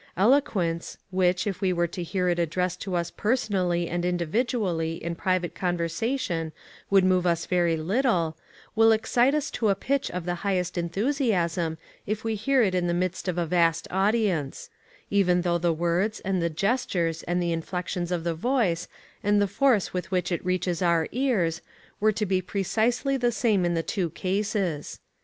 Eloquence, which, if we were to hear it addressed to us personally and individually, in private conversation, would move us very little, will excite us to a pitch of the highest enthusiasm if we hear it in the midst of a vast audience; even though the words, and the gestures, and the inflections of the voice, and the force with which it reaches our ears, were to be precisely the same in the two cases.